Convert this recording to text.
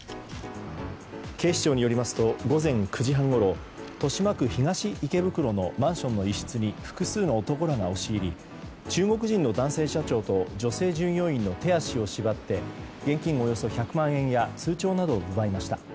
警視庁によりますと午前９時半ごろ豊島区東池袋のマンションの一室に複数の男らが押し入り中国人の男性社長と女性従業員の手足を縛って現金およそ１００万円や通帳などを奪いました。